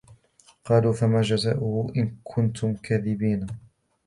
قَالُوا فَمَا جَزَاؤُهُ إِنْ كُنْتُمْ كَاذِبِينَ